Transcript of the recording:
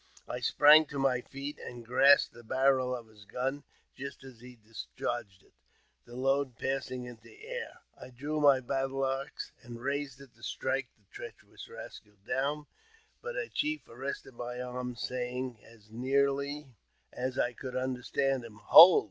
I sprang to my feet, and grasped the barrel of his gun just as he discharged it, the load passing into the air. I drew my battle axe, and raised it to strike the treacherous rascal down ; but a chief arrested my arm, saying, as nearly p JAMES P. BECKWOURTH. 253 as I could understand him, " Hold